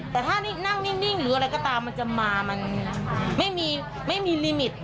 แต่ถ้านั่งนิ่งหรืออะไรก็ตามมันจะมามันไม่มีลิมิต